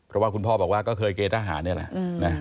เพราะว่าคุณพ่อบอกว่าก็เคยเกณฑหารนี่แหละ